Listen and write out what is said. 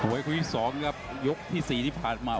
วันที่สองครับยกที่สี่ที่ผ่านมา